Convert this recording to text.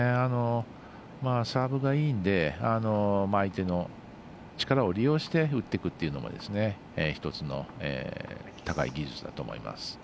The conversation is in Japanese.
サーブがいいので相手の力を利用して打っていくというのも１つの高い技術だと思います。